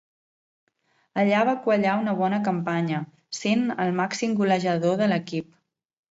Allà va quallar una bona campanya, sent el màxim golejador de l'equip.